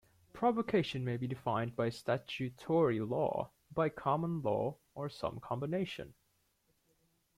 Provocation may be defined by statutory law, by common law, or some combination.